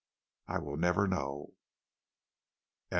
I will never know." XXIV.